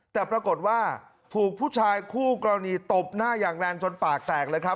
แต่ปรากฏว่าถูกผู้ชายคู่กรณีตบหน้าอย่างแรงจนปากแตกเลยครับ